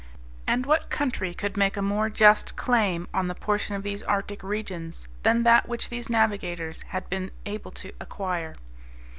And what country could make a more just claim on the portion of these Arctic regions that that which these navigators had been able to acquire?